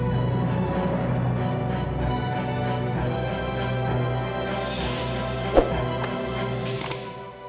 mungkin dia mau jalan ke rumah